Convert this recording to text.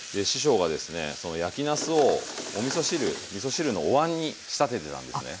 その焼きなすをおみそ汁みそ汁のお椀に仕立ててたんですね。